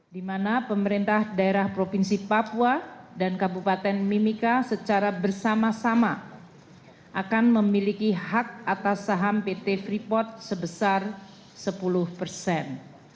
di mana pemerintah daerah provinsi papua dan kabupaten mimika secara bersama sama akan memiliki hak atas saham pt freeport sebesar sepuluh persen